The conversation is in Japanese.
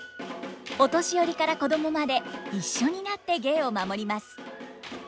お年寄りから子どもまで一緒になって芸を守ります。